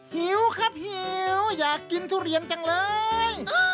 หิวครับหิวอยากกินทุเรียนจังเลย